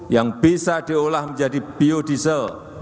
yang bisa diolah menjadi biodiesel